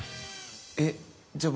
えっじゃあ僕。